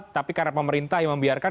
tapi karena pemerintah yang membiarkan